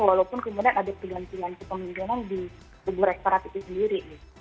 walaupun kemudian ada pergantian kepemimpinan di kubu rektorat itu sendiri